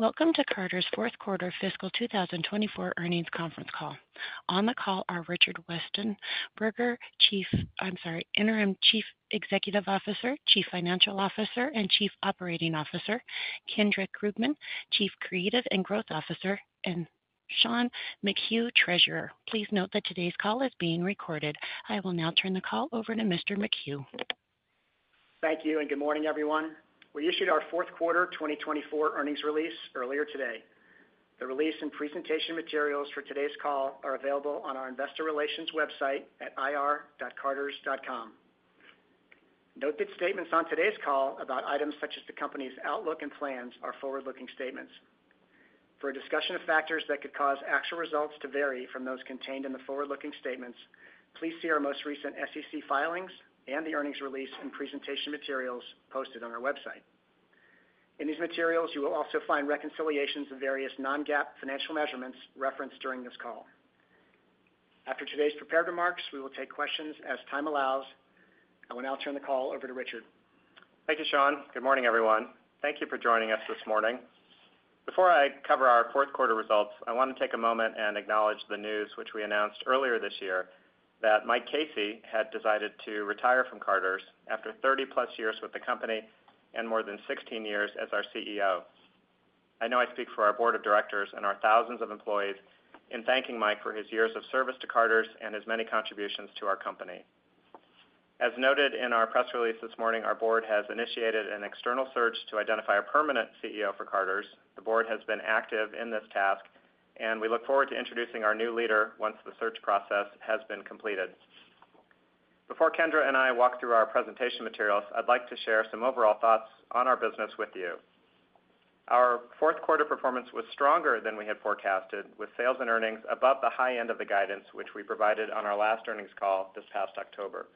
Welcome to Carter's fourth quarter fiscal 2024 earnings conference call. On the call are Richard Westenberger, Chief, I'm sorry, Interim Chief Executive Officer, Chief Financial Officer, and Chief Operating Officer Kendra Krugman, Chief Creative and Growth Officer, and Sean McHugh, Treasurer. Please note that today's call is being recorded. I will now turn the call over to Mr. McHugh. Thank you and good morning, everyone. We issued our fourth quarter 2024 earnings release earlier today. The release and presentation materials for today's call are available on our investor relations website at ir-carters.com. Note that statements on today's call about items such as the company's outlook and plans are forward-looking statements. For a discussion of factors that could cause actual results to vary from those contained in the forward-looking statements, please see our most recent SEC filings and the earnings release and presentation materials posted on our website. In these materials, you will also find reconciliations of various non-GAAP financial measurements referenced during this call. After today's prepared remarks, we will take questions as time allows. I will now turn the call over to Richard. Thank you, Sean. Good morning, everyone. Thank you for joining us this morning. Before I cover our fourth quarter results, I want to take a moment and acknowledge the news which we announced earlier this year that Mike Casey had decided to retire from Carter's after 30+ years with the company and more than 16 years as our CEO. I know I speak for our board of directors and our thousands of employees in thanking Mike for his years of service to Carter's and his many contributions to our company. As noted in our press release this morning, our board has initiated an external search to identify a permanent CEO for Carter's. The board has been active in this task, and we look forward to introducing our new leader once the search process has been completed. Before Kendra and I walk through our presentation materials, I'd like to share some overall thoughts on our business with you. Our fourth quarter performance was stronger than we had forecasted, with sales and earnings above the high end of the guidance which we provided on our last earnings call this past October.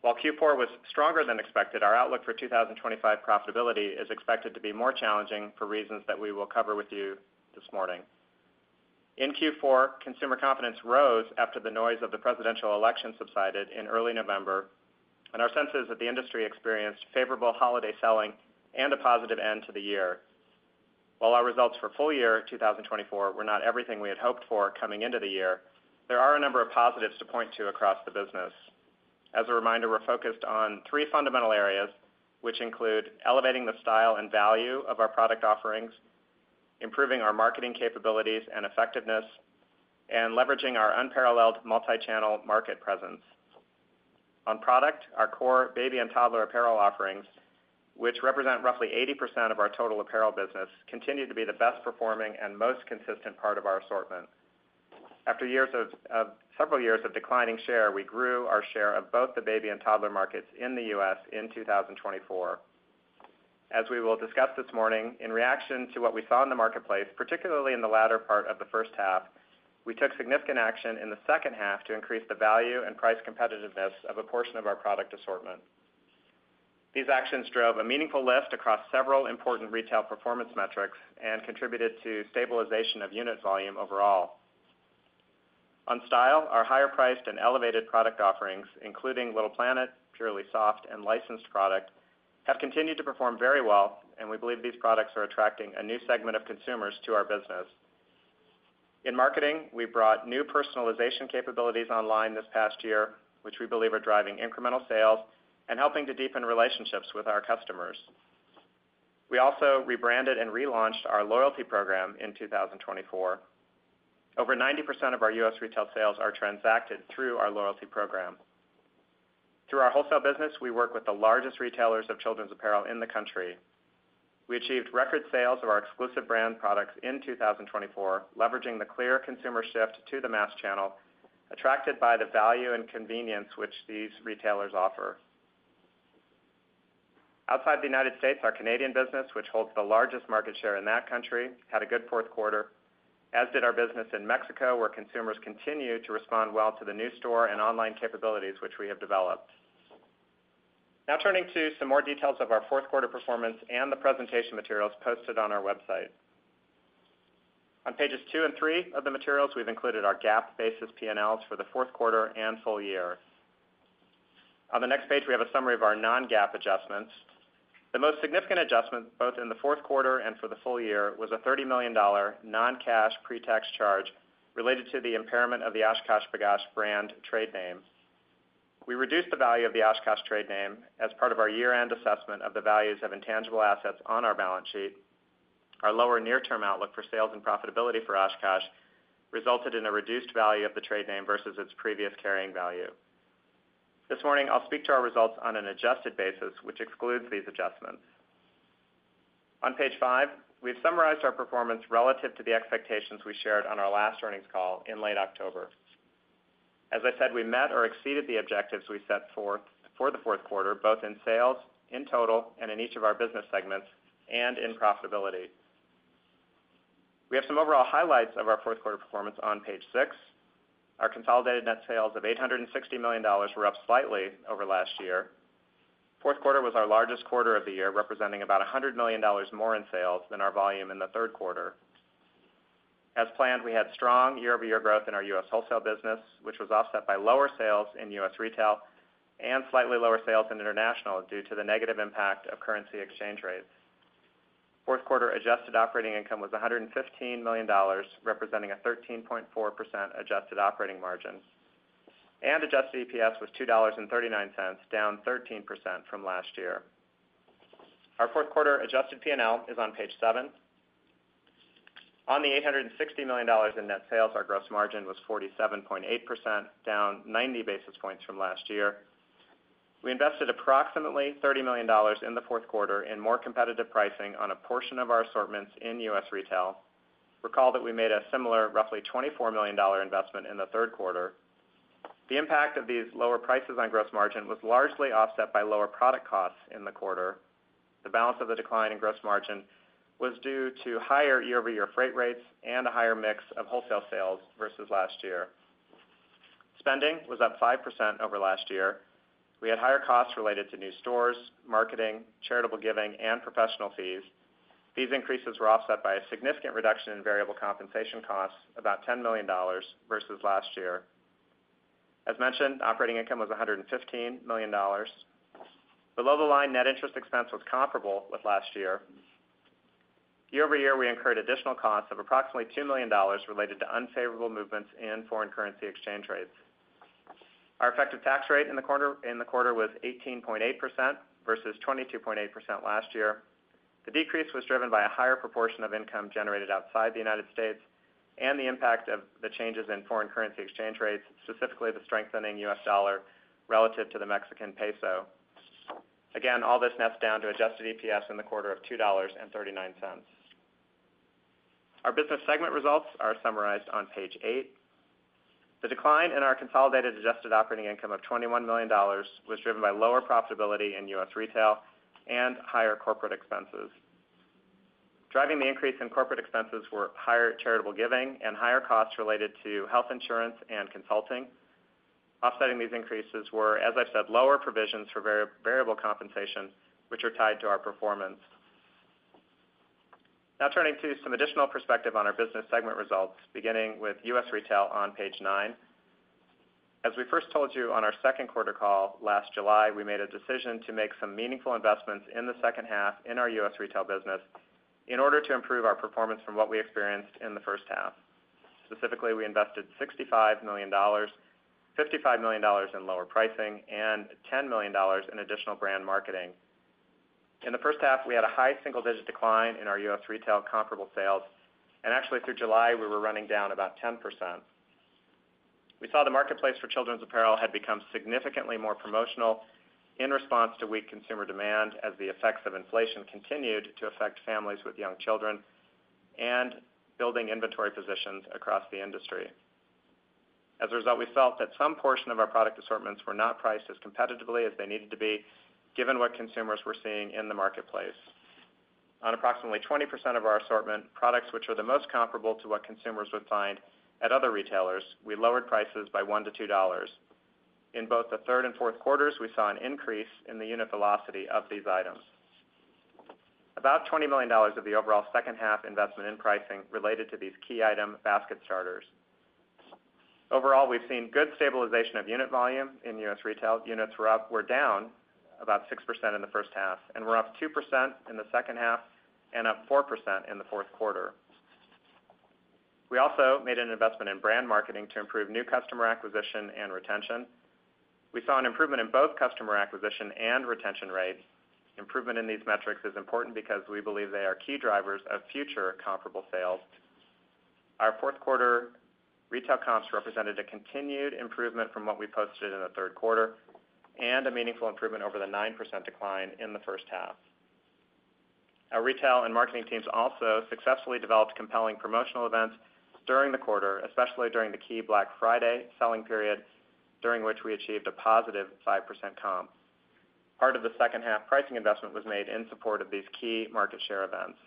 While Q4 was stronger than expected, our outlook for 2025 profitability is expected to be more challenging for reasons that we will cover with you this morning. In Q4, consumer confidence rose after the noise of the presidential election subsided in early November, and our sense is that the industry experienced favorable holiday selling and a positive end to the year. While our results for full year 2024 were not everything we had hoped for coming into the year, there are a number of positives to point to across the business. As a reminder, we're focused on three fundamental areas, which include elevating the style and value of our product offerings, improving our marketing capabilities and effectiveness, and leveraging our unparalleled multi-channel market presence. On product, our core baby and toddler apparel offerings, which represent roughly 80% of our total apparel business, continue to be the best-performing and most consistent part of our assortment. After several years of declining share, we grew our share of both the baby and toddler markets in the U.S. in 2024. As we will discuss this morning, in reaction to what we saw in the marketplace, particularly in the latter part of the first half, we took significant action in the second half to increase the value and price competitiveness of a portion of our product assortment. These actions drove a meaningful lift across several important retail performance metrics and contributed to stabilization of unit volume overall. On style, our higher-priced and elevated product offerings, including Little Planet, Purely Soft, and licensed product, have continued to perform very well, and we believe these products are attracting a new segment of consumers to our business. In marketing, we brought new personalization capabilities online this past year, which we believe are driving incremental sales and helping to deepen relationships with our customers. We also rebranded and relaunched our loyalty program in 2024. Over 90% of our U.S. Retail sales are transacted through our loyalty program. Through our wholesale business, we work with the largest retailers of children's apparel in the country. We achieved record sales of our exclusive brand products in 2024, leveraging the clear consumer shift to the mass channel attracted by the value and convenience which these retailers offer. Outside the United States, our Canadian business, which holds the largest market share in that country, had a good fourth quarter, as did our business in Mexico, where consumers continue to respond well to the new store and online capabilities which we have developed. Now turning to some more details of our fourth quarter performance and the presentation materials posted on our website. On pages two and three of the materials, we've included our GAAP basis P&Ls for the fourth quarter and full year. On the next page, we have a summary of our non-GAAP adjustments. The most significant adjustment, both in the fourth quarter and for the full year, was a $30 million non-cash pre-tax charge related to the impairment of the Oshkosh B'gosh brand trade name. We reduced the value of the Oshkosh trade name as part of our year-end assessment of the values of intangible assets on our balance sheet. Our lower near-term outlook for sales and profitability for Oshkosh resulted in a reduced value of the trade name versus its previous carrying value. This morning, I'll speak to our results on an adjusted basis, which excludes these adjustments. On page five, we've summarized our performance relative to the expectations we shared on our last earnings call in late October. As I said, we met or exceeded the objectives we set forth for the fourth quarter, both in sales in total and in each of our business segments and in profitability. We have some overall highlights of our fourth quarter performance on page six. Our consolidated net sales of $860 million were up slightly over last year. Fourth quarter was our largest quarter of the year, representing about $100 million more in sales than our volume in the third quarter. As planned, we had strong year-over-year growth in our U.S. Wholesale business, which was offset by lower sales in U.S. Retail and slightly lower sales in international due to the negative impact of currency exchange rates. Fourth quarter adjusted operating income was $115 million, representing a 13.4% adjusted operating margin, and adjusted EPS was $2.39, down 13% from last year. Our fourth quarter adjusted P&L is on page seven. On the $860 million in net sales, our gross margin was 47.8%, down 90 basis points from last year. We invested approximately $30 million in the fourth quarter in more competitive pricing on a portion of our assortments in U.S. Retail. Recall that we made a similar roughly $24 million investment in the third quarter. The impact of these lower prices on gross margin was largely offset by lower product costs in the quarter. The balance of the decline in gross margin was due to higher year-over-year freight rates and a higher mix of wholesale sales versus last year. Spending was up 5% over last year. We had higher costs related to new stores, marketing, charitable giving, and professional fees. These increases were offset by a significant reduction in variable compensation costs, about $10 million versus last year. As mentioned, operating income was $115 million. The low end of the line net interest expense was comparable with last year. Year-over-year, we incurred additional costs of approximately $2 million related to unfavorable movements in foreign currency exchange rates. Our effective tax rate in the quarter was 18.8% versus 22.8% last year. The decrease was driven by a higher proportion of income generated outside the United States and the impact of the changes in foreign currency exchange rates, specifically the strengthening U.S. dollar relative to the Mexican peso. Again, all this nets down to adjusted EPS in the quarter of $2.39. Our business segment results are summarized on page eight. The decline in our consolidated adjusted operating income of $21 million was driven by lower profitability in U.S. Retail and higher corporate expenses. Driving the increase in corporate expenses were higher charitable giving and higher costs related to health insurance and consulting. Offsetting these increases were, as I've said, lower provisions for variable compensation, which are tied to our performance. Now turning to some additional perspective on our business segment results, beginning with U.S. Retail on page nine. As we first told you on our second quarter call last July, we made a decision to make some meaningful investments in the second half in our U.S. Retail business in order to improve our performance from what we experienced in the first half. Specifically, we invested $65 million, $55 million in lower pricing, and $10 million in additional brand marketing. In the first half, we had a high single-digit decline in our U.S. Retail comparable sales, and actually through July, we were running down about 10%. We saw the marketplace for children's apparel had become significantly more promotional in response to weak consumer demand as the effects of inflation continued to affect families with young children and building inventory positions across the industry. As a result, we felt that some portion of our product assortments were not priced as competitively as they needed to be, given what consumers were seeing in the marketplace. On approximately 20% of our assortment, products which are the most comparable to what consumers would find at other retailers, we lowered prices by $1-$2. In both the third and fourth quarters, we saw an increase in the unit velocity of these items. About $20 million of the overall second half investment in pricing related to these key item basket starters. Overall, we've seen good stabilization of unit volume in U.S. Retail. Units were down about 6% in the first half, and were up 2% in the second half and up 4% in the fourth quarter. We also made an investment in brand marketing to improve new customer acquisition and retention. We saw an improvement in both customer acquisition and retention rates. Improvement in these metrics is important because we believe they are key drivers of future comparable sales. Our fourth quarter retail comps represented a continued improvement from what we posted in the third quarter and a meaningful improvement over the 9% decline in the first half. Our retail and marketing teams also successfully developed compelling promotional events during the quarter, especially during the key Black Friday selling period, during which we achieved a positive 5% comp. Part of the second half pricing investment was made in support of these key market share events.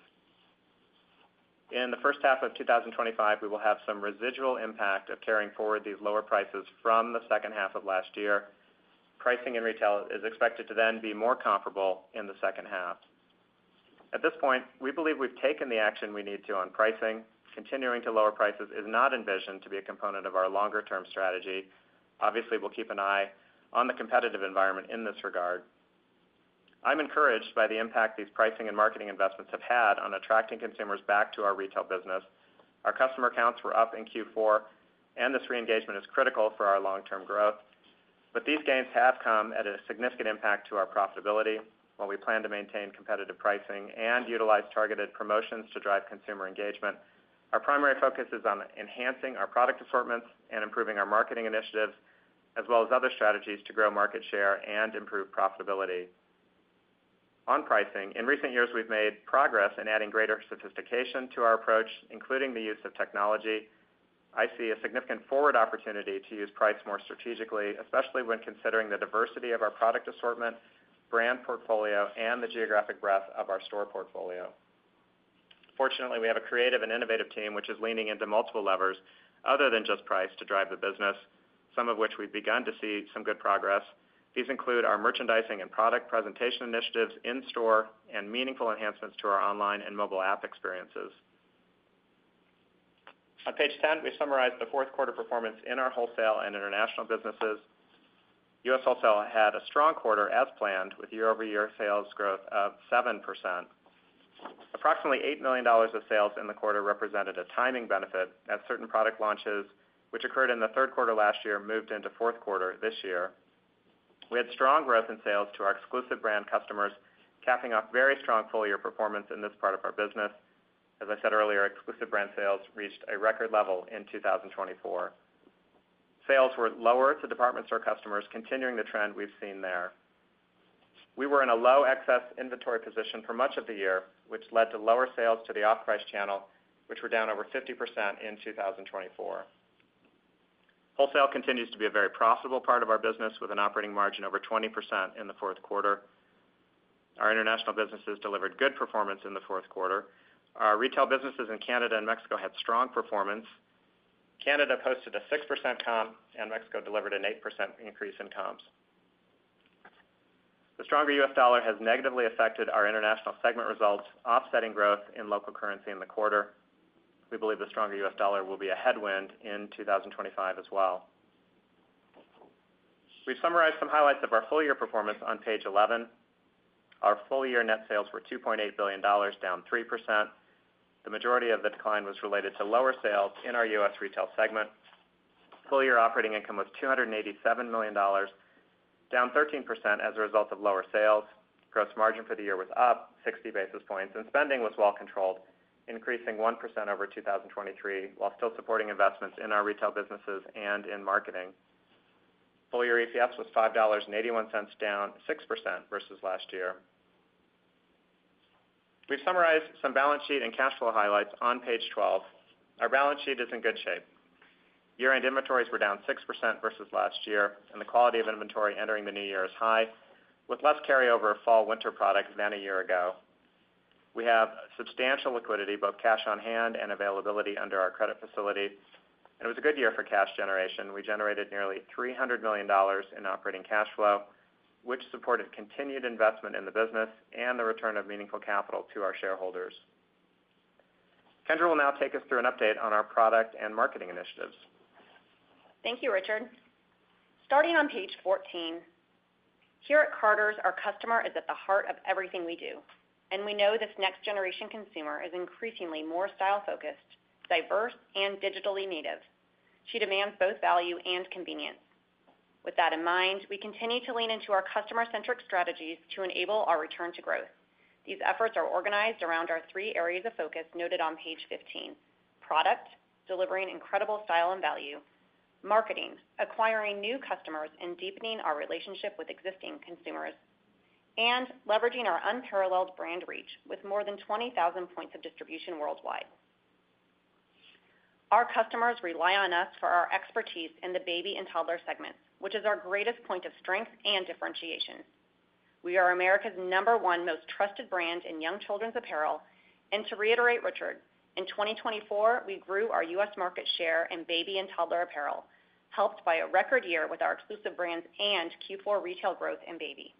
In the first half of 2025, we will have some residual impact of carrying forward these lower prices from the second half of last year. Pricing in retail is expected to then be more comparable in the second half. At this point, we believe we've taken the action we need to on pricing. Continuing to lower prices is not envisioned to be a component of our longer-term strategy. Obviously, we'll keep an eye on the competitive environment in this regard. I'm encouraged by the impact these pricing and marketing investments have had on attracting consumers back to our retail business. Our customer counts were up in Q4, and this re-engagement is critical for our long-term growth. But these gains have come at a significant impact to our profitability. While we plan to maintain competitive pricing and utilize targeted promotions to drive consumer engagement, our primary focus is on enhancing our product assortments and improving our marketing initiatives, as well as other strategies to grow market share and improve profitability. On pricing, in recent years, we've made progress in adding greater sophistication to our approach, including the use of technology. I see a significant forward opportunity to use price more strategically, especially when considering the diversity of our product assortment, brand portfolio, and the geographic breadth of our store portfolio. Fortunately, we have a creative and innovative team which is leaning into multiple levers other than just price to drive the business, some of which we've begun to see some good progress. These include our merchandising and product presentation initiatives in store and meaningful enhancements to our online and mobile app experiences. On page 10, we summarized the fourth quarter performance in our wholesale and international businesses. U.S. Wholesale had a strong quarter as planned, with year-over-year sales growth of 7%. Approximately $8 million of sales in the quarter represented a timing benefit as certain product launches, which occurred in the third quarter last year, moved into fourth quarter this year. We had strong growth in sales to our exclusive brand customers, capping off very strong full-year performance in this part of our business. As I said earlier, exclusive brand sales reached a record level in 2024. Sales were lower to department store customers, continuing the trend we've seen there. We were in a low excess inventory position for much of the year, which led to lower sales to the off-price channel, which were down over 50% in 2024. Wholesale continues to be a very profitable part of our business, with an operating margin over 20% in the fourth quarter. Our international businesses delivered good performance in the fourth quarter. Our retail businesses in Canada and Mexico had strong performance. Canada posted a 6% comp, and Mexico delivered an 8% increase in comps. The stronger U.S. Dollar has negatively affected our international segment results, offsetting growth in local currency in the quarter. We believe the stronger U.S. dollar will be a headwind in 2025 as well. We've summarized some highlights of our full-year performance on page 11. Our full-year net sales were $2.8 billion, down 3%. The majority of the decline was related to lower sales in our U.S. Retail segment. Full-year operating income was $287 million, down 13% as a result of lower sales. Gross margin for the year was up 60 basis points, and spending was well controlled, increasing 1% over 2023 while still supporting investments in our retail businesses and in marketing. Full-year EPS was $5.81, down 6% versus last year. We've summarized some balance sheet and cash flow highlights on page 12. Our balance sheet is in good shape. Year-end inventories were down 6% versus last year, and the quality of inventory entering the new year is high, with less carryover fall/winter product than a year ago. We have substantial liquidity, both cash on hand and availability under our credit facility. And it was a good year for cash generation. We generated nearly $300 million in operating cash flow, which supported continued investment in the business and the return of meaningful capital to our shareholders. Kendra will now take us through an update on our product and marketing initiatives. Thank you, Richard. Starting on Page 14, here at Carter's, our customer is at the heart of everything we do. And we know this next-generation consumer is increasingly more style-focused, diverse, and digitally native. She demands both value and convenience. With that in mind, we continue to lean into our customer-centric strategies to enable our return to growth. These efforts are organized around our three areas of focus noted on page 15: product, delivering incredible style and value, marketing, acquiring new customers and deepening our relationship with existing consumers, and leveraging our unparalleled brand reach with more than 20,000 points of distribution worldwide. Our customers rely on us for our expertise in the baby and toddler segments, which is our greatest point of strength and differentiation. We are America's number one most trusted brand in young children's apparel. And to reiterate, Richard, in 2024, we grew our U.S. market share in baby and toddler apparel, helped by a record year with our Exclusive Brands and Q4 retail growth in baby.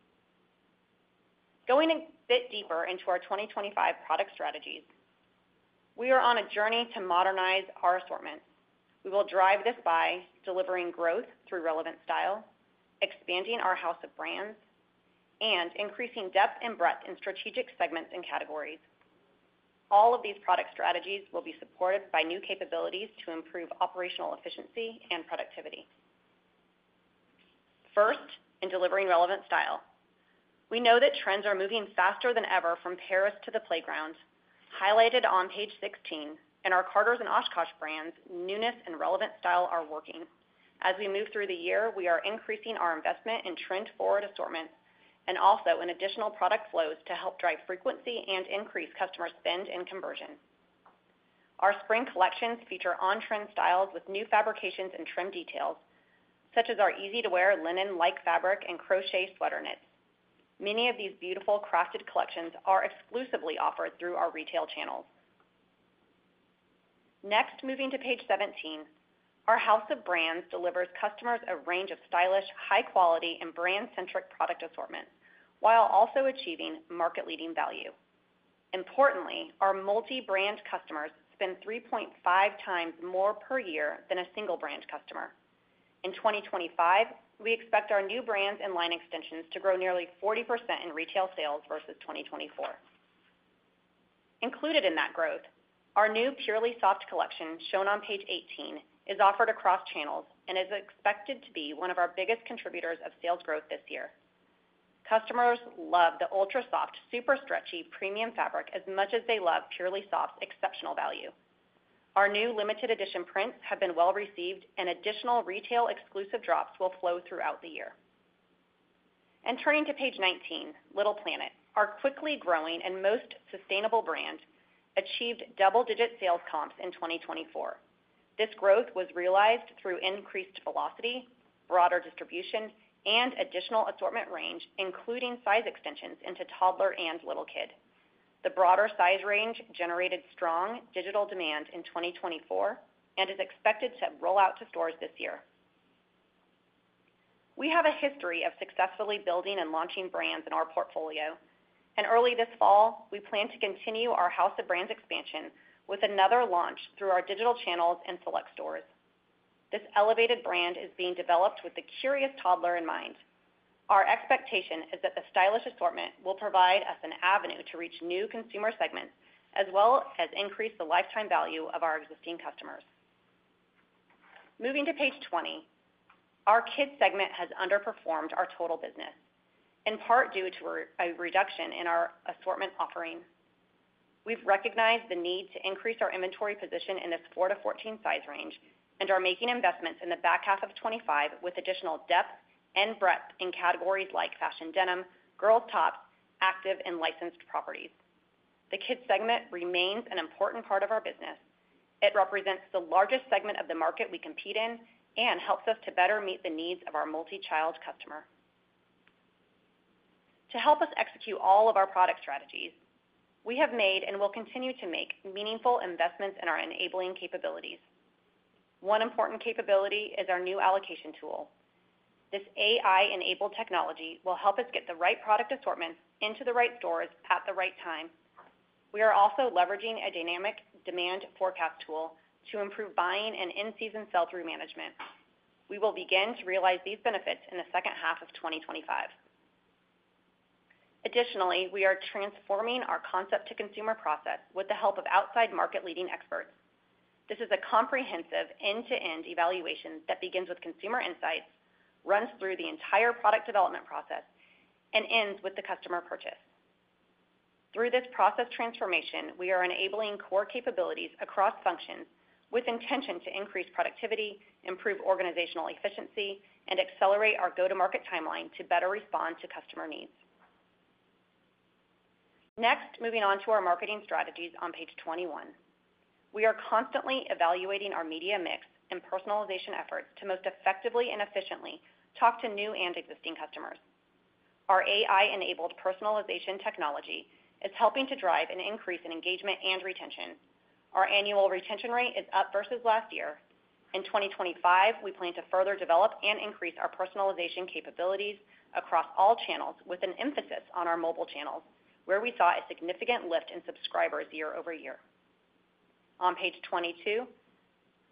Going a bit deeper into our 2025 product strategies, we are on a journey to modernize our assortments. We will drive this by delivering growth through relevant style, expanding our house of brands, and increasing depth and breadth in strategic segments and categories. All of these product strategies will be supported by new capabilities to improve operational efficiency and productivity. First, in delivering relevant style, we know that trends are moving faster than ever from Paris to the playground, highlighted on page 16, and our Carter's and Oshkosh brands, newness and relevant style are working. As we move through the year, we are increasing our investment in trend-forward assortments and also in additional product flows to help drive frequency and increase customer spend and conversion. Our spring collections feature on-trend styles with new fabrications and trim details, such as our easy-to-wear linen-like fabric and crochet sweater knits. Many of these beautiful crafted collections are exclusively offered through our retail channels. Next, moving to page 17, our house of brands delivers customers a range of stylish, high-quality, and brand-centric product assortments while also achieving market-leading value. Importantly, our multi-brand customers spend 3.5 times more per year than a single-brand customer. In 2025, we expect our new brands and line extensions to grow nearly 40% in retail sales versus 2024. Included in that growth, our new Purely Soft collection, shown on page 18, is offered across channels and is expected to be one of our biggest contributors of sales growth this year. Customers love the ultra-soft, super-stretchy premium fabric as much as they love Purely Soft's exceptional value. Our new limited-edition prints have been well received, and additional retail exclusive drops will flow throughout the year, and turning to page 19, Little Planet, our quickly growing and most sustainable brand, achieved double-digit sales comps in 2024. This growth was realized through increased velocity, broader distribution, and additional assortment range, including size extensions into toddler and little kid. The broader size range generated strong digital demand in 2024 and is expected to roll out to stores this year. We have a history of successfully building and launching brands in our portfolio, and early this fall, we plan to continue our house of brands expansion with another launch through our digital channels and select stores. This elevated brand is being developed with the curious toddler in mind. Our expectation is that the stylish assortment will provide us an avenue to reach new consumer segments as well as increase the lifetime value of our existing customers. Moving to page 20, our kids segment has underperformed our total business, in part due to a reduction in our assortment offering. We've recognized the need to increase our inventory position in this 4 to 14 size range and are making investments in the back half of 2025 with additional depth and breadth in categories like fashion denim, girls' tops, active, and licensed properties. The kids segment remains an important part of our business. It represents the largest segment of the market we compete in and helps us to better meet the needs of our multi-child customer. To help us execute all of our product strategies, we have made and will continue to make meaningful investments in our enabling capabilities. One important capability is our new allocation tool. This AI-enabled technology will help us get the right product assortments into the right stores at the right time. We are also leveraging a dynamic demand forecast tool to improve buying and in-season sell-through management. We will begin to realize these benefits in the second half of 2025. Additionally, we are transforming our concept-to-consumer process with the help of outside market-leading experts. This is a comprehensive end-to-end evaluation that begins with consumer insights, runs through the entire product development process, and ends with the customer purchase. Through this process transformation, we are enabling core capabilities across functions with intention to increase productivity, improve organizational efficiency, and accelerate our go-to-market timeline to better respond to customer needs. Next, moving on to our marketing strategies on page 21, we are constantly evaluating our media mix and personalization efforts to most effectively and efficiently talk to new and existing customers. Our AI-enabled personalization technology is helping to drive an increase in engagement and retention. Our annual retention rate is up versus last year. In 2025, we plan to further develop and increase our personalization capabilities across all channels with an emphasis on our mobile channels, where we saw a significant lift in subscribers year over year. On page 22,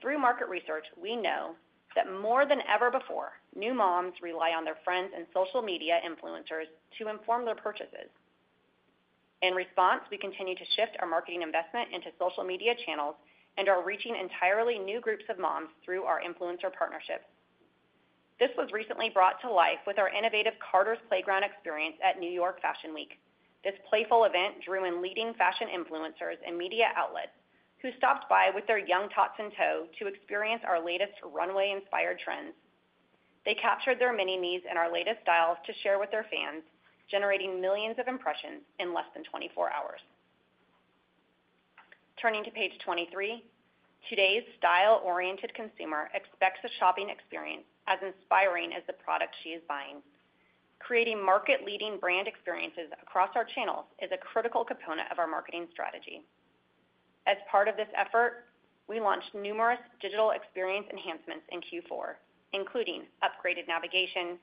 through market research, we know that more than ever before, new moms rely on their friends and social media influencers to inform their purchases. In response, we continue to shift our marketing investment into social media channels and are reaching entirely new groups of moms through our influencer partnerships. This was recently brought to life with our innovative Carter's Playground experience at New York Fashion Week. This playful event drew in leading fashion influencers and media outlets who stopped by with their young tots in tow to experience our latest runway-inspired trends. They captured their minis and our latest styles to share with their fans, generating millions of impressions in less than 24 hours. Turning to page 23, today's style-oriented consumer expects a shopping experience as inspiring as the product she is buying. Creating market-leading brand experiences across our channels is a critical component of our marketing strategy. As part of this effort, we launched numerous digital experience enhancements in Q4, including upgraded navigation,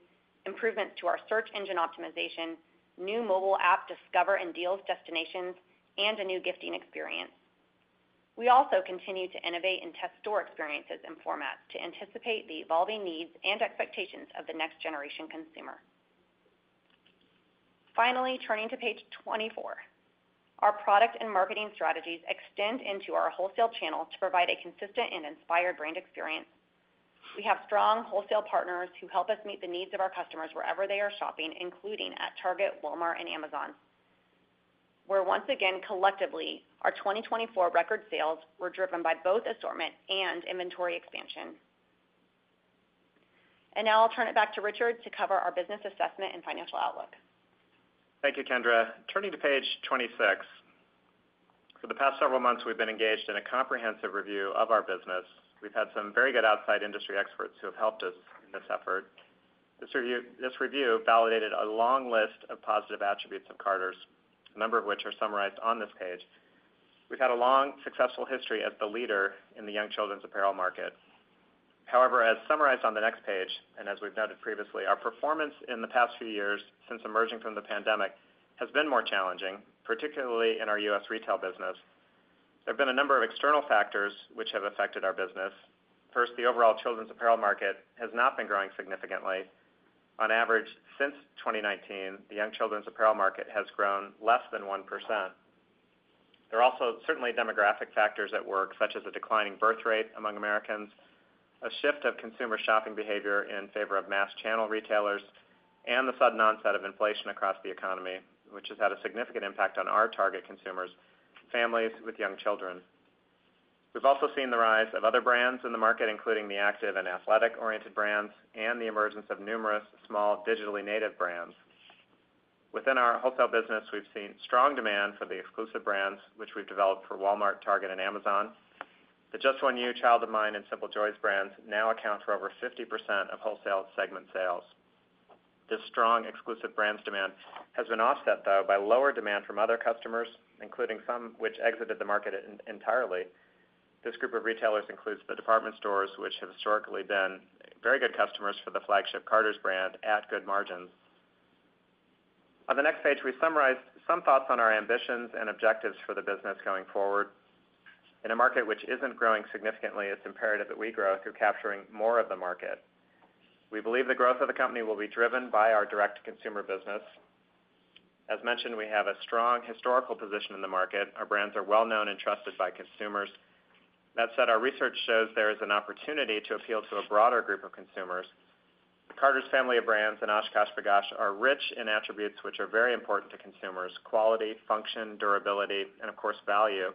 improvements to our search engine optimization, new mobile app discover and deals destinations, and a new gifting experience. We also continue to innovate and test store experiences and formats to anticipate the evolving needs and expectations of the next-generation consumer. Finally, turning to page 24, our product and marketing strategies extend into our wholesale channels to provide a consistent and inspired brand experience. We have strong wholesale partners who help us meet the needs of our customers wherever they are shopping, including at Target, Walmart, and Amazon. We're once again collectively. Our 2024 record sales were driven by both assortment and inventory expansion. Now I'll turn it back to Richard to cover our business assessment and financial outlook. Thank you, Kendra. Turning to page 26, for the past several months, we've been engaged in a comprehensive review of our business. We've had some very good outside industry experts who have helped us in this effort. This review validated a long list of positive attributes of Carter's, a number of which are summarized on this page. We've had a long successful history as the leader in the young children's apparel market. However, as summarized on the next page, and as we've noted previously, our performance in the past few years since emerging from the pandemic has been more challenging, particularly in our U.S. Retail business. There have been a number of external factors which have affected our business. First, the overall children's apparel market has not been growing significantly. On average, since 2019, the young children's apparel market has grown less than 1%. There are also certainly demographic factors at work, such as a declining birth rate among Americans, a shift of consumer shopping behavior in favor of mass channel retailers, and the sudden onset of inflation across the economy, which has had a significant impact on our target consumers, families with young children. We've also seen the rise of other brands in the market, including the active and athletic-oriented brands and the emergence of numerous small digitally native brands. Within our wholesale business, we've seen strong demand for the Exclusive Brands which we've developed for Walmart, Target, and Amazon. The Just One You, Child of Mine, and Simple Joys brands now account for over 50% of wholesale segment sales. This strong Exclusive Brands demand has been offset, though, by lower demand from other customers, including some which exited the market entirely. This group of retailers includes the department stores, which have historically been very good customers for the flagship Carter's brand at good margins. On the next page, we summarized some thoughts on our ambitions and objectives for the business going forward. In a market which isn't growing significantly, it's imperative that we grow through capturing more of the market. We believe the growth of the company will be driven by our direct-to-consumer business. As mentioned, we have a strong historical position in the market. Our brands are well known and trusted by consumers. That said, our research shows there is an opportunity to appeal to a broader group of consumers. The Carter's family of brands and Oshkosh B'gosh are rich in attributes which are very important to consumers: quality, function, durability, and, of course, value.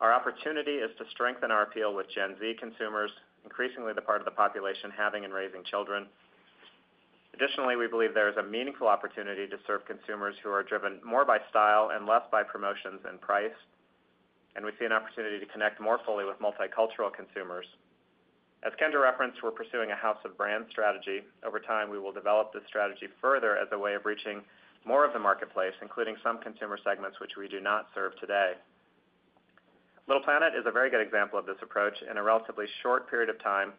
Our opportunity is to strengthen our appeal with Gen Z consumers, increasingly the part of the population having and raising children. Additionally, we believe there is a meaningful opportunity to serve consumers who are driven more by style and less by promotions and price, and we see an opportunity to connect more fully with multicultural consumers. As Kendra referenced, we're pursuing a house of brands strategy. Over time, we will develop this strategy further as a way of reaching more of the marketplace, including some consumer segments which we do not serve today. Little Planet is a very good example of this approach. In a relatively short period of time,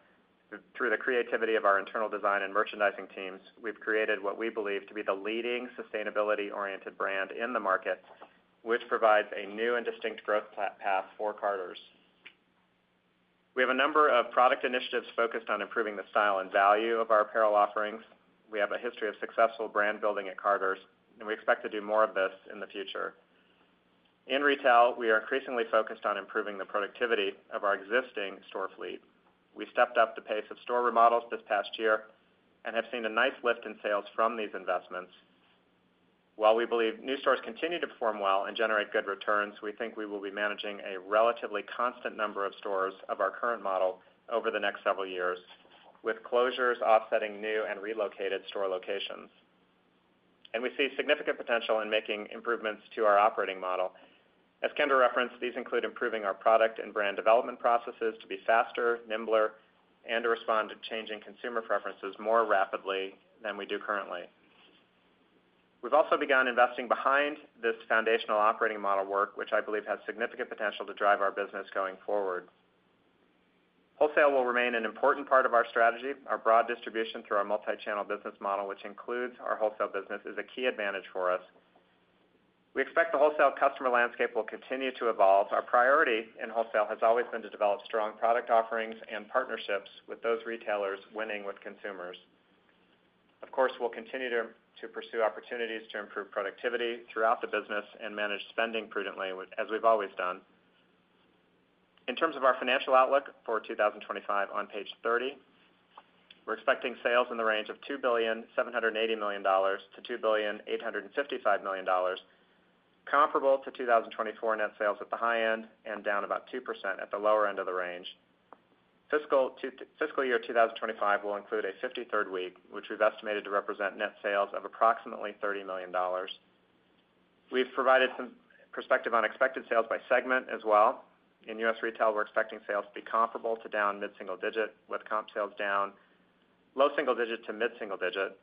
through the creativity of our internal design and merchandising teams, we've created what we believe to be the leading sustainability-oriented brand in the market, which provides a new and distinct growth path for Carter's. We have a number of product initiatives focused on improving the style and value of our apparel offerings. We have a history of successful brand building at Carter's, and we expect to do more of this in the future. In retail, we are increasingly focused on improving the productivity of our existing store fleet. We stepped up the pace of store remodels this past year and have seen a nice lift in sales from these investments. While we believe new stores continue to perform well and generate good returns, we think we will be managing a relatively constant number of stores of our current model over the next several years, with closures offsetting new and relocated store locations, and we see significant potential in making improvements to our operating model. As Kendra referenced, these include improving our product and brand development processes to be faster, nimbler, and to respond to changing consumer preferences more rapidly than we do currently. We've also begun investing behind this foundational operating model work, which I believe has significant potential to drive our business going forward. Wholesale will remain an important part of our strategy. Our broad distribution through our multi-channel business model, which includes our wholesale business, is a key advantage for us. We expect the wholesale customer landscape will continue to evolve. Our priority in wholesale has always been to develop strong product offerings and partnerships with those retailers winning with consumers. Of course, we'll continue to pursue opportunities to improve productivity throughout the business and manage spending prudently, as we've always done. In terms of our financial outlook for 2025, on page 30, we're expecting sales in the range of $2,780 million-$2,855 million, comparable to 2024 net sales at the high end and down about 2% at the lower end of the range. Fiscal year 2025 will include a 53rd week, which we've estimated to represent net sales of approximately $30 million. We've provided some perspective on expected sales by segment as well. In U.S. Retail, we're expecting sales to be comparable to down mid-single digit, with comp sales down low single digit to mid-single digit.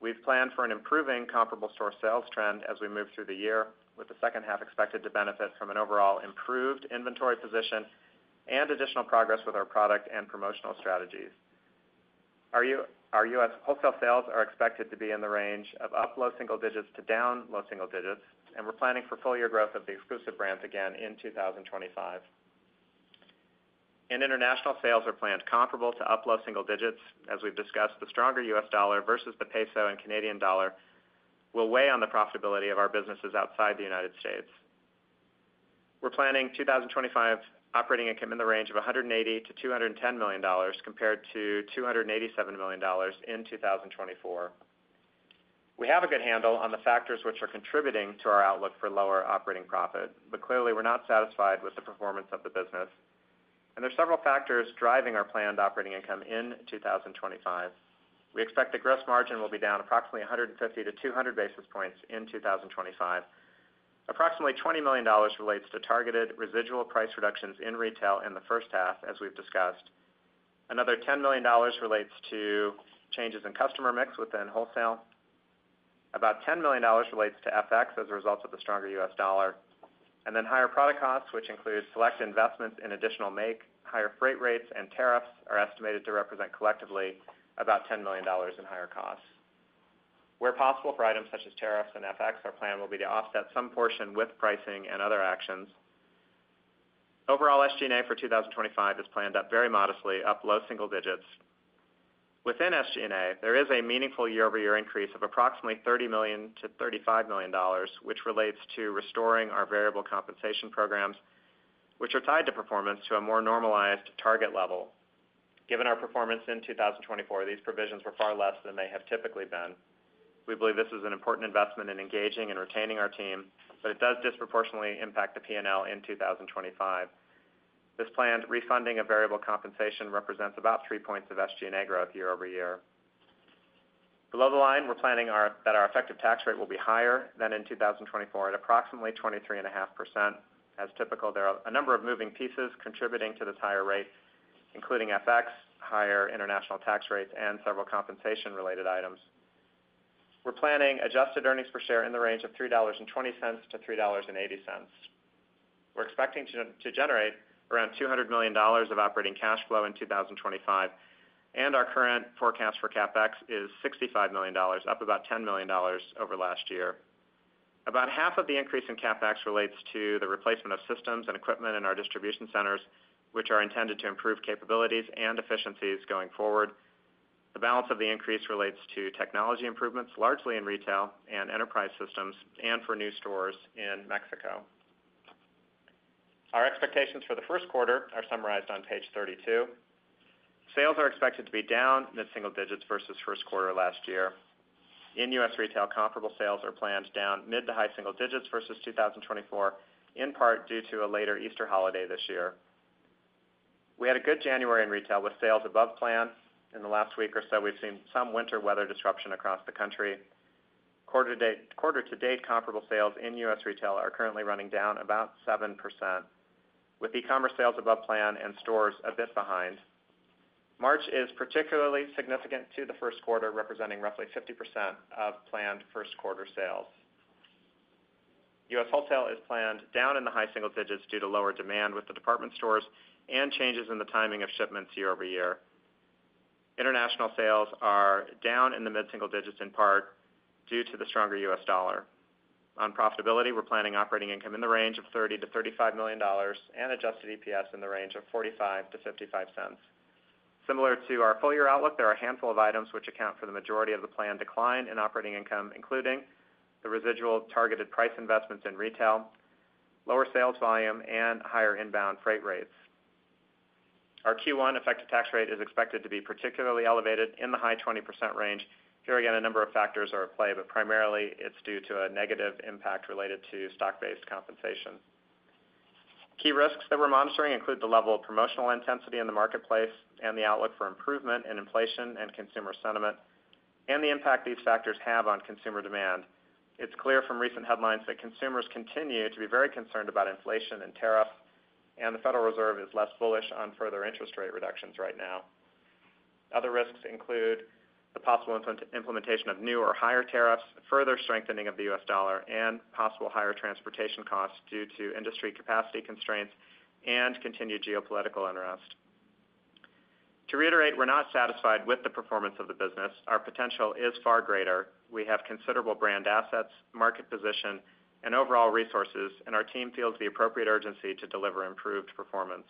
We've planned for an improving comparable store sales trend as we move through the year, with the second half expected to benefit from an overall improved inventory position and additional progress with our product and promotional strategies. Our U.S. Wholesale sales are expected to be in the range of up low single digits to down low single digits, and we're planning for full year growth of the Exclusive Brands again in 2025, and international sales are planned comparable to up low single digits. As we've discussed, the stronger U.S. dollar versus the peso and Canadian dollar will weigh on the profitability of our businesses outside the United States. We're planning 2025 operating income in the range of $180 million-$210 million compared to $287 million in 2024. We have a good handle on the factors which are contributing to our outlook for lower operating profit, but clearly, we're not satisfied with the performance of the business, and there are several factors driving our planned operating income in 2025. We expect the gross margin will be down approximately 150 basis points-200 basis points in 2025. Approximately $20 million relates to targeted residual price reductions in retail in the first half, as we've discussed. Another $10 million relates to changes in customer mix within wholesale. About $10 million relates to FX as a result of the stronger U.S. dollar. And then higher product costs, which include select investments in additional make, higher freight rates, and tariffs, are estimated to represent collectively about $10 million in higher costs. Where possible for items such as tariffs and FX, our plan will be to offset some portion with pricing and other actions. Overall, SG&A for 2025 is planned up very modestly, up low single digits. Within SG&A, there is a meaningful year-over-year increase of approximately $30 million-$35 million, which relates to restoring our variable compensation programs, which are tied to performance to a more normalized target level. Given our performance in 2024, these provisions were far less than they have typically been. We believe this is an important investment in engaging and retaining our team, but it does disproportionately impact the P&L in 2025. This planned refunding of variable compensation represents about three points of SG&A growth year over year. Below the line, we're planning that our effective tax rate will be higher than in 2024 at approximately 23.5%. As typical, there are a number of moving pieces contributing to this higher rate, including FX, higher international tax rates, and several compensation-related items. We're planning adjusted earnings per share in the range of $3.20-$3.80. We're expecting to generate around $200 million of operating cash flow in 2025, and our current forecast for CapEx is $65 million, up about $10 million over last year. About half of the increase in CapEx relates to the replacement of systems and equipment in our distribution centers, which are intended to improve capabilities and efficiencies going forward. The balance of the increase relates to technology improvements, largely in retail and enterprise systems and for new stores in Mexico. Our expectations for the first quarter are summarized on page 32. Sales are expected to be down mid-single digits versus first quarter last year. In U.S. Retail, comparable sales are planned down mid to high single digits versus 2024, in part due to a later Easter holiday this year. We had a good January in retail with sales above plan. In the last week or so, we've seen some winter weather disruption across the country. Quarter-to-date comparable sales in U.S. Retail are currently running down about 7%, with e-commerce sales above plan and stores a bit behind. March is particularly significant to the first quarter, representing roughly 50% of planned first quarter sales. U.S. Wholesale is planned down in the high single digits due to lower demand with the department stores and changes in the timing of shipments year over year. International sales are down in the mid-single digits in part due to the stronger U.S. dollar. On profitability, we're planning operating income in the range of $30 million-$35 million and adjusted EPS in the range of $0.45-$0.55. Similar to our full year outlook, there are a handful of items which account for the majority of the planned decline in operating income, including the residual targeted price investments in retail, lower sales volume, and higher inbound freight rates. Our Q1 effective tax rate is expected to be particularly elevated in the high 20% range. Here again, a number of factors are at play, but primarily it's due to a negative impact related to stock-based compensation. Key risks that we're monitoring include the level of promotional intensity in the marketplace and the outlook for improvement in inflation and consumer sentiment and the impact these factors have on consumer demand. It's clear from recent headlines that consumers continue to be very concerned about inflation and tariffs, and the Federal Reserve is less bullish on further interest rate reductions right now. Other risks include the possible implementation of new or higher tariffs, further strengthening of the U.S. dollar, and possible higher transportation costs due to industry capacity constraints and continued geopolitical unrest. To reiterate, we're not satisfied with the performance of the business. Our potential is far greater. We have considerable brand assets, market position, and overall resources, and our team feels the appropriate urgency to deliver improved performance.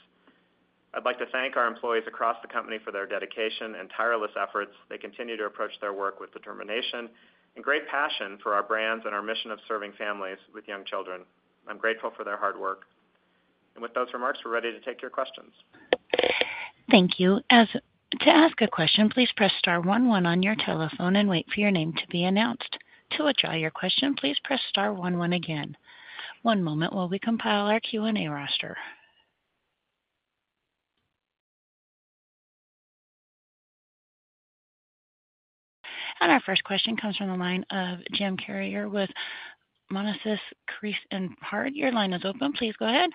I'd like to thank our employees across the company for their dedication and tireless efforts. They continue to approach their work with determination and great passion for our brands and our mission of serving families with young children. I'm grateful for their hard work. And with those remarks, we're ready to take your questions. Thank you. To ask a question, please press star 11 on your telephone and wait for your name to be announced. To withdraw your question, please press star 11 again. One moment while we compile our Q&A roster. Our first question comes from the line of Jim Chartier with Monness, Crespi, Hardt. Your line is open. Please go ahead.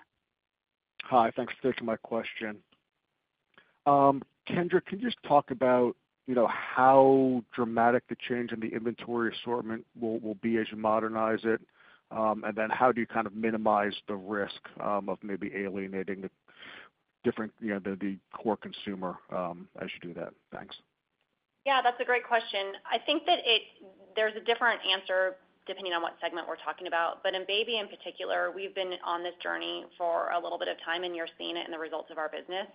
Hi. Thanks for taking my question. Kendra, can you just talk about how dramatic the change in the inventory assortment will be as you modernize it? Then how do you kind of minimize the risk of maybe alienating the core consumer as you do that? Thanks. Yeah, that's a great question. I think that there's a different answer depending on what segment we're talking about. In baby in particular, we've been on this journey for a little bit of time, and you're seeing it in the results of our business.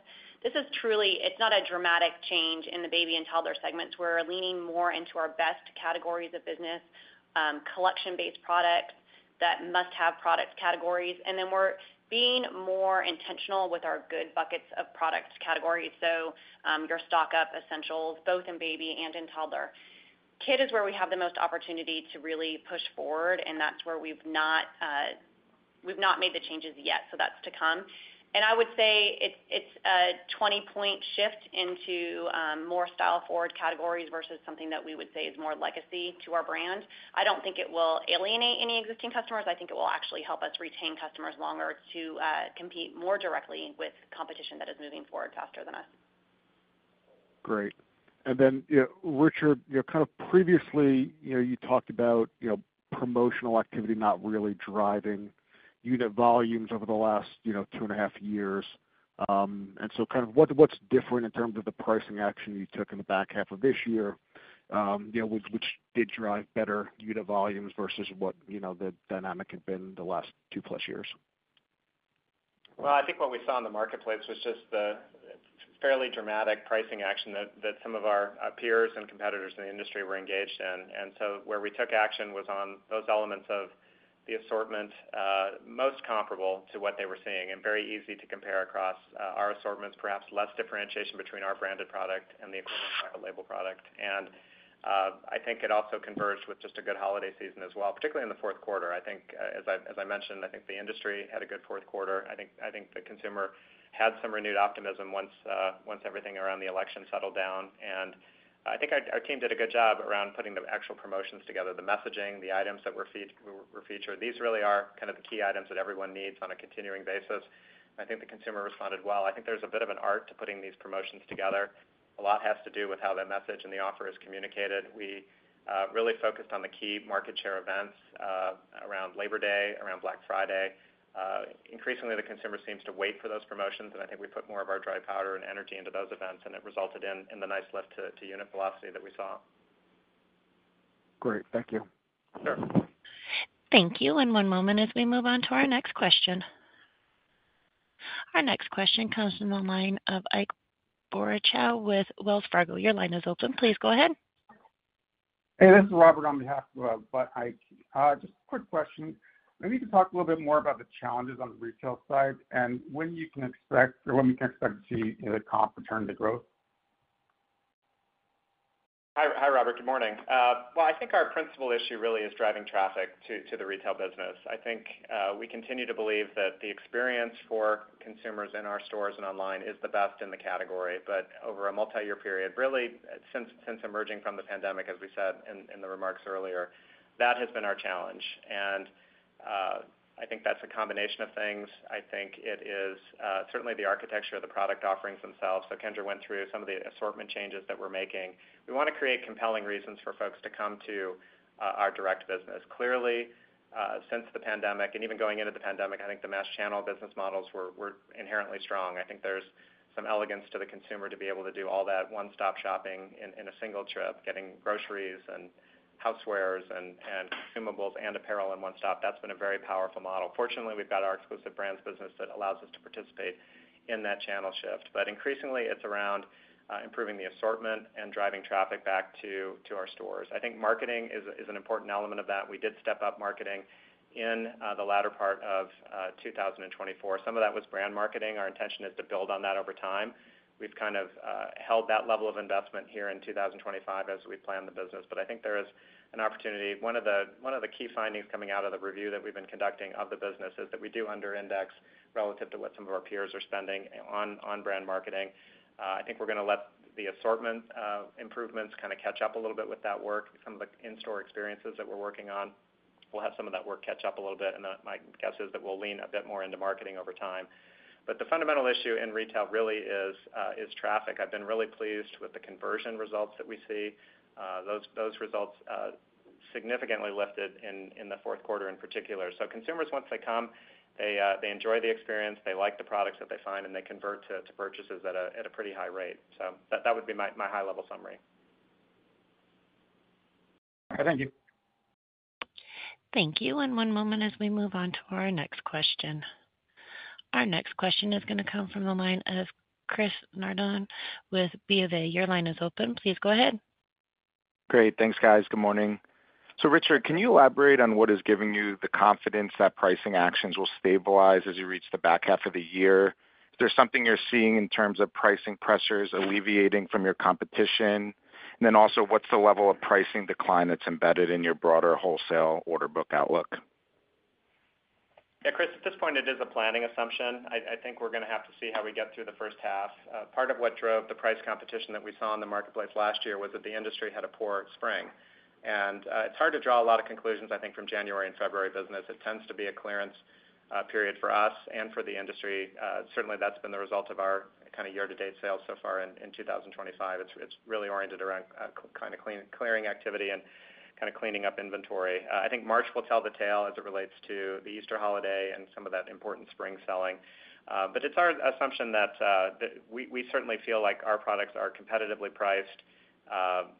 This is truly. It's not a dramatic change in the baby and toddler segments. We're leaning more into our best categories of business, collection-based products that must-have product categories, and then we're being more intentional with our good buckets of product categories, so your stock-up essentials, both in baby and in toddler. Kid is where we have the most opportunity to really push forward, and that's where we've not made the changes yet, so that's to come, and I would say it's a 20-point shift into more style-forward categories versus something that we would say is more legacy to our brand. I don't think it will alienate any existing customers. I think it will actually help us retain customers longer to compete more directly with competition that is moving forward faster than us. Great, and then, Richard, kind of previously you talked about promotional activity not really driving unit volumes over the last two and a half years. And so kind of what's different in terms of the pricing action you took in the back half of this year, which did drive better unit volumes versus what the dynamic had been the last two-plus years? Well, I think what we saw in the marketplace was just the fairly dramatic pricing action that some of our peers and competitors in the industry were engaged in. And so where we took action was on those elements of the assortment, most comparable to what they were seeing and very easy to compare across our assortments, perhaps less differentiation between our branded product and the equivalent private label product. And I think it also converged with just a good holiday season as well, particularly in the fourth quarter. I think, as I mentioned, I think the industry had a good fourth quarter. I think the consumer had some renewed optimism once everything around the election settled down, and I think our team did a good job around putting the actual promotions together, the messaging, the items that were featured. These really are kind of the key items that everyone needs on a continuing basis. I think the consumer responded well. I think there's a bit of an art to putting these promotions together. A lot has to do with how the message and the offer is communicated. We really focused on the key market share events around Labor Day, around Black Friday. Increasingly, the consumer seems to wait for those promotions, and I think we put more of our dry powder and energy into those events, and it resulted in the nice lift to unit velocity that we saw. Great. Thank you. Sure. Thank you. One moment as we move on to our next question. Our next question comes from the line of Ike Boruchow with Wells Fargo. Your line is open. Please go ahead. Hey, this is Robert on behalf of Ike. Just a quick question. Maybe you could talk a little bit more about the challenges on the retail side and when you can expect or when we can expect to see the comp return to growth. Hi, Robert. Good morning. Well, I think our principal issue really is driving traffic to the retail business. I think we continue to believe that the experience for consumers in our stores and online is the best in the category, but over a multi-year period, really since emerging from the pandemic, as we said in the remarks earlier, that has been our challenge. And I think that's a combination of things. I think it is certainly the architecture of the product offerings themselves. So Kendra went through some of the assortment changes that we're making. We want to create compelling reasons for folks to come to our direct business. Clearly, since the pandemic and even going into the pandemic, I think the mass channel business models were inherently strong. I think there's some elegance to the consumer to be able to do all that one-stop shopping in a single trip, getting groceries and housewares and consumables and apparel in one stop. That's been a very powerful model. Fortunately, we've got our Exclusive Brands business that allows us to participate in that channel shift. But increasingly, it's around improving the assortment and driving traffic back to our stores. I think marketing is an important element of that. We did step up marketing in the latter part of 2024. Some of that was brand marketing. Our intention is to build on that over time. We've kind of held that level of investment here in 2025 as we plan the business. But I think there is an opportunity. One of the key findings coming out of the review that we've been conducting of the business is that we do underindex relative to what some of our peers are spending on brand marketing. I think we're going to let the assortment improvements kind of catch up a little bit with that work. Some of the in-store experiences that we're working on, we'll have some of that work catch up a little bit. And my guess is that we'll lean a bit more into marketing over time. But the fundamental issue in retail really is traffic. I've been really pleased with the conversion results that we see. Those results significantly lifted in the fourth quarter in particular. So consumers, once they come, they enjoy the experience, they like the products that they find, and they convert to purchases at a pretty high rate. So that would be my high-level summary. All right. Thank you. Thank you. And one moment as we move on to our next question. Our next question is going to come from the line of Chris Nardone with Bank of America. Your line is open. Please go ahead. Great. Thanks, guys. Good morning. So, Richard, can you elaborate on what is giving you the confidence that pricing actions will stabilize as you reach the back half of the year? Is there something you're seeing in terms of pricing pressures alleviating from your competition? And then also, what's the level of pricing decline that's embedded in your broader wholesale order book outlook? Yeah, Chris, at this point, it is a planning assumption. I think we're going to have to see how we get through the first half. Part of what drove the price competition that we saw in the marketplace last year was that the industry had a poor spring, and it's hard to draw a lot of conclusions, I think, from January and February business. It tends to be a clearance period for us and for the industry. Certainly, that's been the result of our kind of year-to-date sales so far in 2025. It's really oriented around kind of clearing activity and kind of cleaning up inventory. I think March will tell the tale as it relates to the Easter holiday and some of that important spring selling, but it's our assumption that we certainly feel like our products are competitively priced.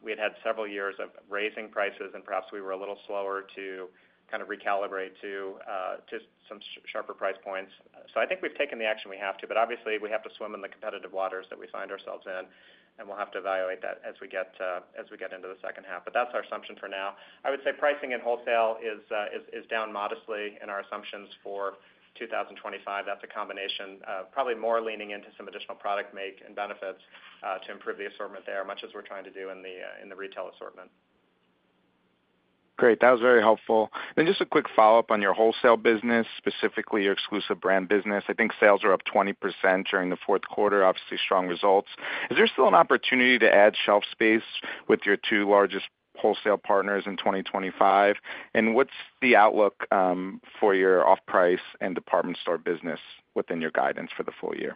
We had had several years of raising prices, and perhaps we were a little slower to kind of recalibrate to some sharper price points. So I think we've taken the action we have to, but obviously, we have to swim in the competitive waters that we find ourselves in, and we'll have to evaluate that as we get into the second half. But that's our assumption for now. I would say pricing in wholesale is down modestly in our assumptions for 2025. That's a combination of probably more leaning into some additional product make and benefits to improve the assortment there, much as we're trying to do in the retail assortment. Great. That was very helpful. And just a quick follow-up on your wholesale business, specifically your exclusive brand business. I think sales are up 20% during the fourth quarter, obviously strong results. Is there still an opportunity to add shelf space with your two largest wholesale partners in 2025? And what's the outlook for your off-price and department store business within your guidance for the full year?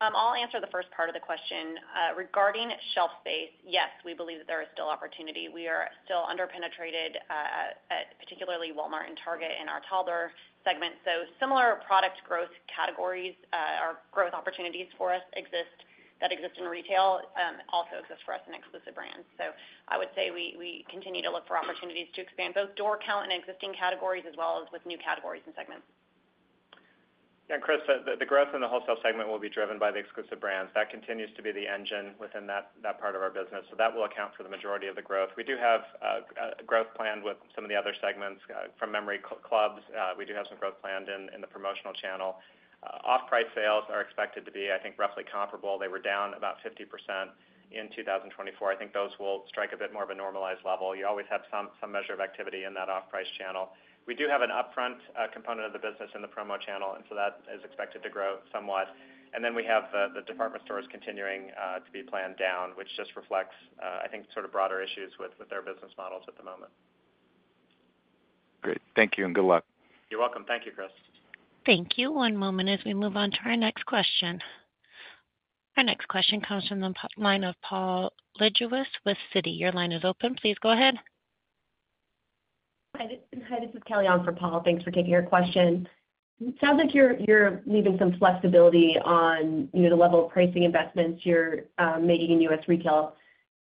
I'll answer the first part of the question. Regarding shelf space, yes, we believe that there is still opportunity. We are still underpenetrated, particularly Walmart and Target in our toddler segment. So similar product growth categories or growth opportunities for us exist that exist in retail also exist for us in Exclusive Brands. So I would say we continue to look for opportunities to expand both door count and existing categories as well as with new categories and segments. Yeah, and Chris, the growth in the wholesale segment will be driven by the Exclusive Brands. That continues to be the engine within that part of our business. So that will account for the majority of the growth. We do have growth planned with some of the other segments. From memory, clubs, we do have some growth planned in the promotional channel. Off-price sales are expected to be, I think, roughly comparable. They were down about 50% in 2024. I think those will strike a bit more of a normalized level. You always have some measure of activity in that off-price channel. We do have an upfront component of the business in the promo channel, and so that is expected to grow somewhat. And then we have the department stores continuing to be planned down, which just reflects, I think, sort of broader issues with their business models at the moment. Great. Thank you and good luck. You're welcome. Thank you, Chris. Thank you. One moment as we move on to our next question. Our next question comes from the line of Paul Lejuez with Citi. Your line is open. Please go ahead. Hi, this is Kelly Glynn for Paul. Thanks for taking your question. It sounds like you're leaving some flexibility on the level of pricing investments you're making in U.S. Retail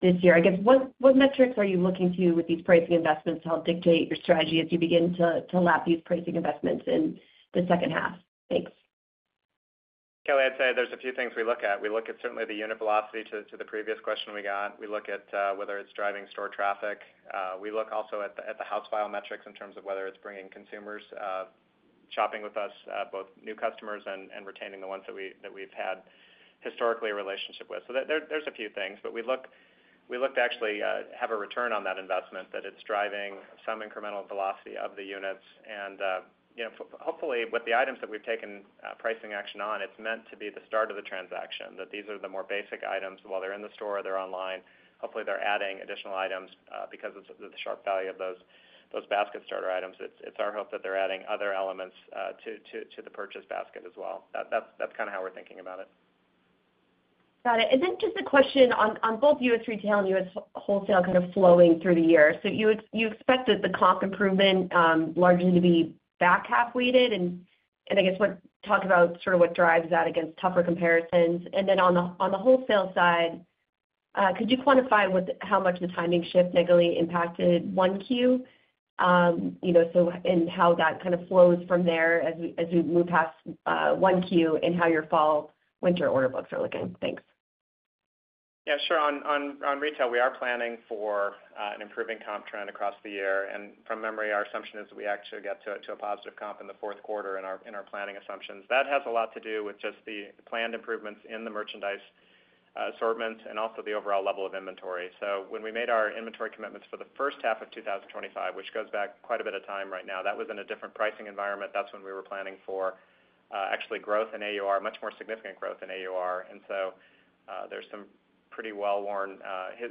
this year. I guess, what metrics are you looking to with these pricing investments to help dictate your strategy as you begin to lap these pricing investments in the second half? Thanks. Yeah, I'd say there's a few things we look at. We look at certainly the unit velocity to the previous question we got. We look at whether it's driving store traffic. We look also at the house file metrics in terms of whether it's bringing consumers shopping with us, both new customers and retaining the ones that we've had historically a relationship with. So there's a few things, but we look to actually have a return on that investment that it's driving some incremental velocity of the units. And hopefully, with the items that we've taken pricing action on, it's meant to be the start of the transaction, that these are the more basic items while they're in the store, they're online. Hopefully, they're adding additional items because of the sharp value of those basket starter items. It's our hope that they're adding other elements to the purchase basket as well. That's kind of how we're thinking about it. Got it. And then just a question on both U.S. Retail and U.S. Wholesale kind of flowing through the year. So you expect that the comp improvement largely to be back half-weighted? And I guess talk about sort of what drives that against tougher comparisons. And then on the wholesale side, could you quantify how much the timing shift negatively impacted Q1? So and how that kind of flows from there as we move past Q1 and how your Fall/Winter order books are looking? Thanks. Yeah, sure. On retail, we are planning for an improving comp trend across the year. And from memory, our assumption is that we actually get to a positive comp in the fourth quarter in our planning assumptions. That has a lot to do with just the planned improvements in the merchandise assortment and also the overall level of inventory. So when we made our inventory commitments for the first half of 2025, which goes back quite a bit of time right now, that was in a different pricing environment. That's when we were planning for actually growth in AUR, much more significant growth in AUR. And so there's some pretty well-worn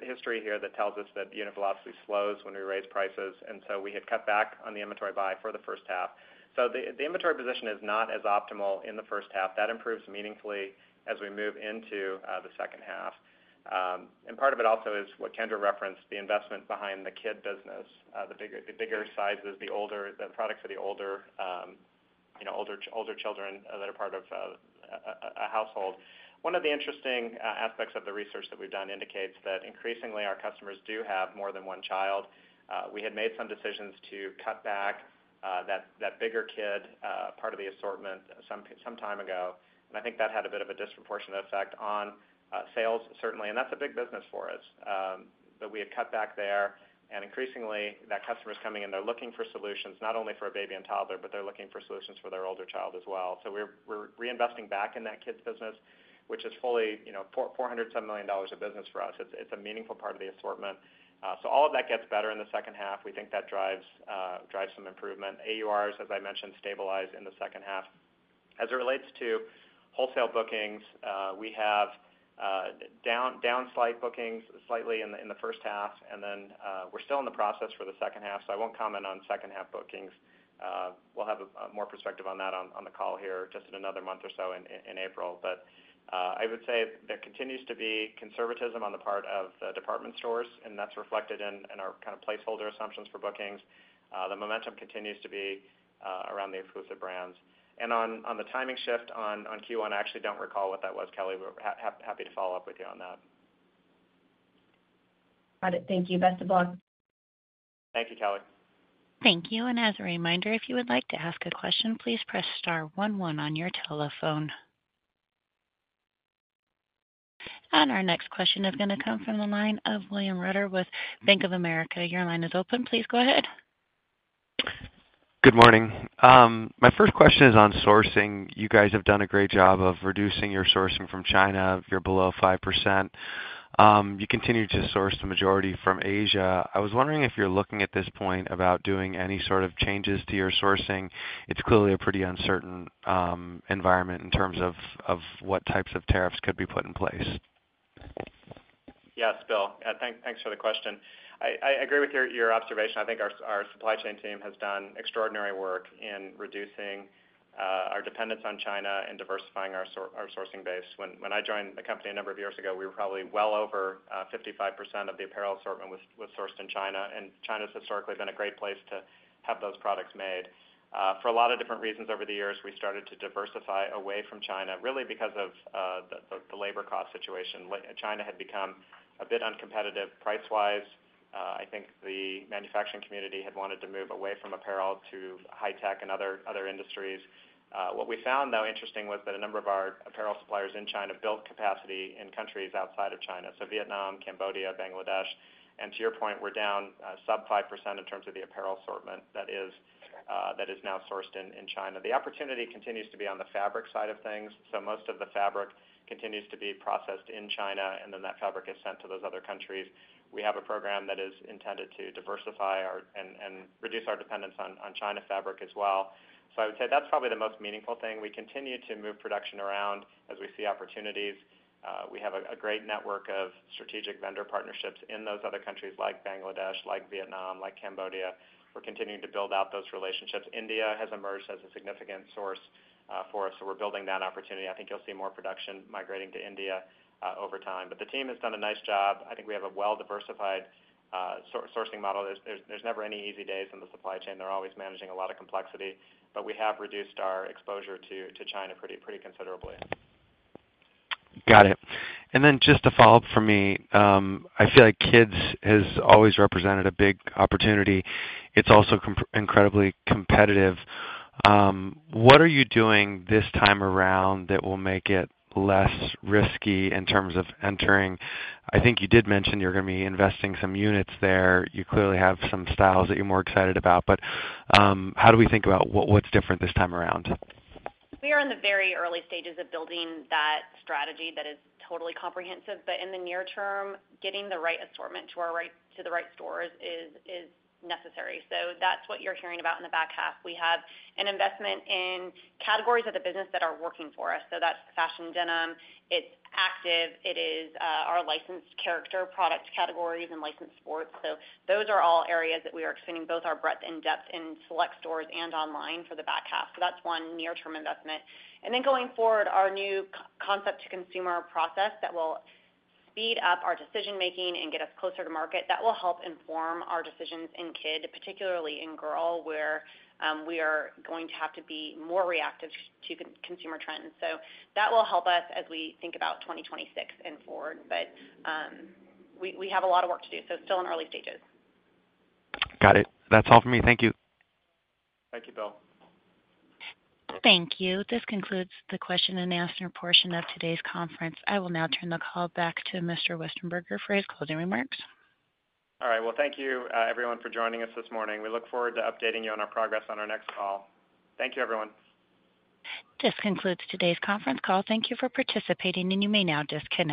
history here that tells us that unit velocity slows when we raise prices. And so we had cut back on the inventory buy for the first half. So the inventory position is not as optimal in the first half. That improves meaningfully as we move into the second half. And part of it also is what Kendra referenced, the investment behind the kid business, the bigger sizes, the older products for the older children that are part of a household. One of the interesting aspects of the research that we've done indicates that increasingly, our customers do have more than one child. We had made some decisions to cut back that bigger kid part of the assortment some time ago. And I think that had a bit of a disproportionate effect on sales, certainly. And that's a big business for us. But we had cut back there. And increasingly, that customer is coming in. They're looking for solutions, not only for a baby and toddler, but they're looking for solutions for their older child as well. So we're reinvesting back in that kid's business, which is fully $400-some million of business for us. It's a meaningful part of the assortment. So all of that gets better in the second half. We think that drives some improvement. AURs, as I mentioned, stabilize in the second half. As it relates to wholesale bookings, we have downside bookings slightly in the first half, and then we're still in the process for the second half. So I won't comment on second-half bookings. We'll have more perspective on that on the call here just in another month or so in April. But I would say there continues to be conservatism on the part of the department stores, and that's reflected in our kind of placeholder assumptions for bookings. The momentum continues to be around the Exclusive Brands. And on the timing shift on Q1, I actually don't recall what that was, Kelly. We're happy to follow up with you on that. Got it. Thank you. Best of luck. Thank you, Kelly. Thank you. And as a reminder, if you would like to ask a question, please press star 11 on your telephone. And our next question is going to come from the line of William Reuter with Bank of America. Your line is open. Please go ahead. Good morning. My first question is on sourcing. You guys have done a great job of reducing your sourcing from China. You're below 5%. You continue to source the majority from Asia. I was wondering if you're looking at this point about doing any sort of changes to your sourcing? It's clearly a pretty uncertain environment in terms of what types of tariffs could be put in place. Yes, Bill. Thanks for the question. I agree with your observation. I think our supply chain team has done extraordinary work in reducing our dependence on China and diversifying our sourcing base. When I joined the company a number of years ago, we were probably well over 55% of the apparel assortment was sourced in China. And China's historically been a great place to have those products made. For a lot of different reasons over the years, we started to diversify away from China, really because of the labor cost situation. China had become a bit uncompetitive price-wise. I think the manufacturing community had wanted to move away from apparel to high-tech and other industries. What we found, though, interesting was that a number of our apparel suppliers in China built capacity in countries outside of China, so Vietnam, Cambodia, Bangladesh, and to your point, we're down sub-5% in terms of the apparel assortment that is now sourced in China. The opportunity continues to be on the fabric side of things, so most of the fabric continues to be processed in China, and then that fabric is sent to those other countries. We have a program that is intended to diversify and reduce our dependence on China fabric as well, so I would say that's probably the most meaningful thing. We continue to move production around as we see opportunities. We have a great network of strategic vendor partnerships in those other countries like Bangladesh, like Vietnam, like Cambodia. We're continuing to build out those relationships. India has emerged as a significant source for us, so we're building that opportunity. I think you'll see more production migrating to India over time. But the team has done a nice job. I think we have a well-diversified sourcing model. There's never any easy days in the supply chain. They're always managing a lot of complexity. But we have reduced our exposure to China pretty considerably. Got it. And then just to follow up for me, I feel like kids has always represented a big opportunity. It's also incredibly competitive. What are you doing this time around that will make it less risky in terms of entering? I think you did mention you're going to be investing some units there. You clearly have some styles that you're more excited about. But how do we think about what's different this time around? We are in the very early stages of building that strategy that is totally comprehensive. But in the near term, getting the right assortment to the right stores is necessary. So that's what you're hearing about in the back half. We have an investment in categories of the business that are working for us. So that's fashion denim. It's active. It is our licensed character product categories and licensed sports. So those are all areas that we are expanding both our breadth and depth in select stores and online for the back half. So that's one near-term investment. And then, going forward, our new Concept-to-Consumer process that will speed up our decision-making and get us closer to market, that will help inform our decisions in kid, particularly in girl, where we are going to have to be more reactive to consumer trends. So that will help us as we think about 2026 and forward. But we have a lot of work to do, so still in early stages. Got it. That's all for me. Thank you. Thank you, Bill. Thank you. This concludes the question and answer portion of today's conference. I will now turn the call back to Mr. Westenberger for his closing remarks. All right. Well, thank you, everyone, for joining us this morning. We look forward to updating you on our progress on our next call. Thank you, everyone. This concludes today's conference call. Thank you for participating, and you may now disconnect.